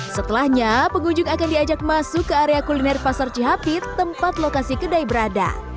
setelahnya pengunjung akan diajak masuk ke area kuliner pasar cihapit tempat lokasi kedai berada